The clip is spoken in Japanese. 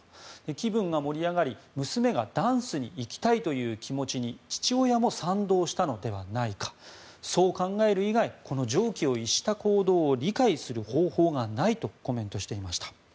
気分が盛り上がり、娘がダンスに行きたいという気持ちに父親も賛同したのではないかそう考える以外この常軌を逸した行動を理解する方法がないとコメントしていました。